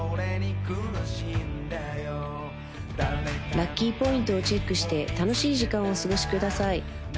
ラッキーポイントをチェックして楽しい時間をお過ごしください